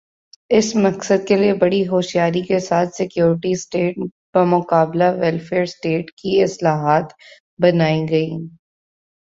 اس مقصد کے لئے بڑی ہوشیاری کے ساتھ سیکورٹی سٹیٹ بمقابلہ ویلفیئر سٹیٹ کی اصطلاحات بنائی گئیں۔